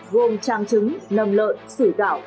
gồm trang trứng nầm lợn sủi cảo